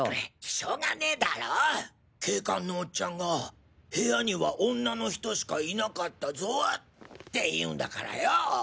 しょうがねえだろ警官のおっちゃんが「部屋には女の人しかいなかったぞ」って言うんだからよ！